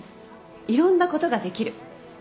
いろんなことができる。